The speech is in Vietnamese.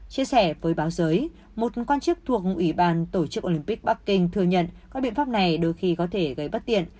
chia sẻ với báo giới một quan chức thuộc ủy ban tổ chức olympic bắc kinh thừa nhận các biện pháp này đôi khi có thể gây bất tiện